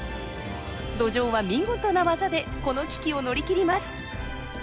ドジョウは見事な技でこの危機を乗り切ります。